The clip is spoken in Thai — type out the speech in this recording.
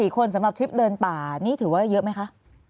๒๔คนสำหรับทรัพย์เดินป่าถือว่าเยอะไหมคะ